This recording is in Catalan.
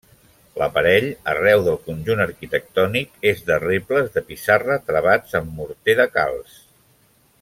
L'aparell, arreu del conjunt arquitectònic, és de rebles de pissarra travats amb morter de calç.